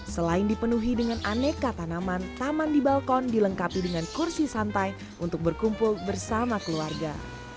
selain dipenuhi dengan aneka tanaman taman di balkon dilengkapi dengan kursi santai untuk berkumpul bersama keluarga